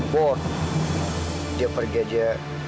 boh dia pergi aja